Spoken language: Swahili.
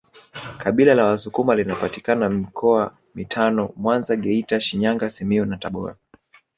Kabila la wasukuma linapatikana mikoa mitano Mwanza Geita Shinyanga Simiyu na Tabora